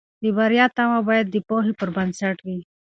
د بریا تمه باید د پوهې پر بنسټ وي.